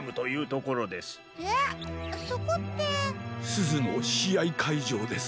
すずのしあいかいじょうです。